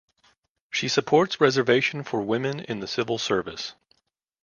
She supports reservation for women in the civil service.